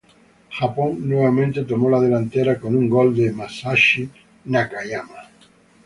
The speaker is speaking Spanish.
Japón nuevamente tomó la delantera con un gol de Masashi Nakayama.